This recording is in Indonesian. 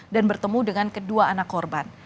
dan bertemu dengan kedua anak korban